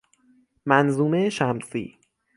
منظومه شمسی